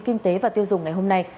kinh tế và tiêu dùng ngày hôm nay